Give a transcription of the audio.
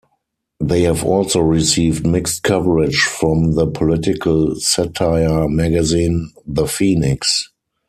They have also received mixed coverage from the political satire magazine "The Phoenix".